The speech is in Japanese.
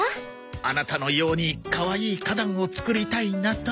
あなたのようにかわいい花壇を作りたいなと。